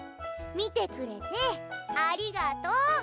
見てくれてありがとう。